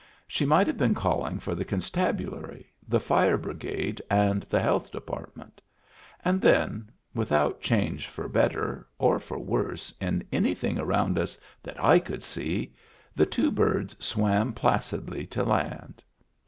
She might have been calling for the constabulary, the fire brigade, and the health department. And then, without change for better or for worse in anything around us that I could see, the two birds swam placidly to land.